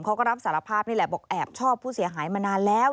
เขาก็รับสารภาพนี่แหละบอกแอบชอบผู้เสียหายมานานแล้ว